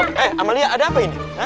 hei amalia ada apa ini